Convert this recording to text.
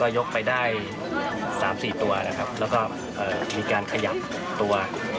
ยกไปได้๓๔ตัวนะครับแล้วก็มีการขยับตัว